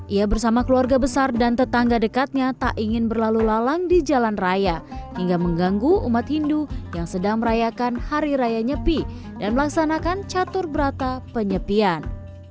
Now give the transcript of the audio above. ia bersama keluarga besar dan tetangga dekatnya tak ingin berlalu lalang di jalan raya hingga mengganggu umat hindu yang sedang merayakan hari raya nyepi dan melaksanakan catur berata penyepian